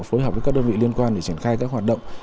phối hợp với các đơn vị liên quan để triển khai các hoạt động